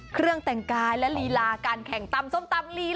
ก็เพิ่งขยับขยับเข้ามาไหว